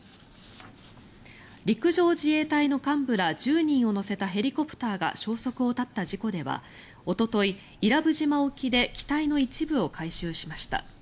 陸上自衛隊の幹部ら１０人を乗せたヘリコプターが消息を絶った事故ではおととい、伊良部島沖で機体の一部を回収しました。